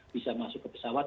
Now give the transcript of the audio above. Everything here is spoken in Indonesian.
bisa masuk ke pesawat